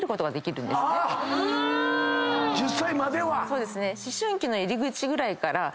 そうですね。